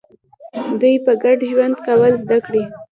دوی په ګډه ژوند کول زده کړي.